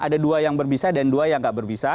ada dua yang berbisa dan dua yang gak berbisa